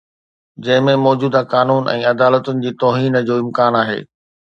جنهن ۾ موجوده قانون ۽ عدالتن جي توهين جو امڪان آهي